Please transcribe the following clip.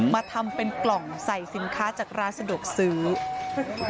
มาทำเป็นกล่องใส่สินค้าจากนาฬักษ์ส่วนประโยชน์